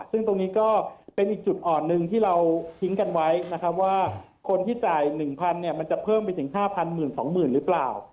ซึ่งตรงนี้ก็เป็นอีกจุดอ่อนหนึ่งที่เราทิ้งกันไว้นะครับว่าคนที่จ่าย๑๐๐เนี่ยมันจะเพิ่มไปถึง๕๐๐๑๒๐๐๐หรือเปล่า